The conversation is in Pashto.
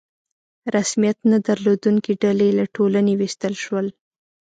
رسمیت نه درلودونکي ډلې له ټولنې ویستل شول.